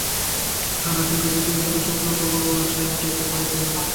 তাহার আকাঙ্ক্ষা যদিও ছিল স্বল্প, তবু উহা সে মিটাইতে পারিত না।